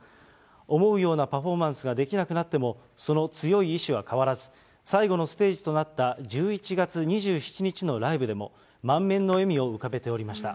思うようなパフォーマンスができなくなっても、その強い意志は変わらず、最後のステージとなった１１月２７日のライブでも、満面の笑みを浮かべていました。